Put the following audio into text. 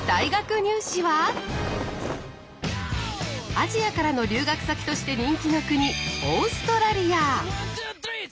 アジアからの留学先として人気の国オーストラリア。